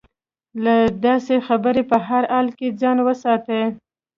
له داسې خبرې په هر حال کې ځان وساتي.